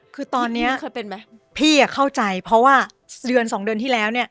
คือตอนนี้พี่อ่ะเข้าใจเพราะว่าเดือน๒เดือนที่แล้วเนี่ย